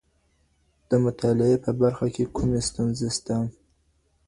د مطالعې په برخه کي کومي ستونزي شته؟